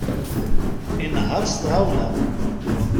Inehher s tɣawla.